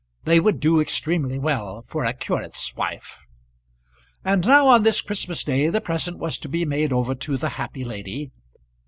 They would do extremely well for a curate's wife. And now on this Christmas day the present was to be made over to the happy lady.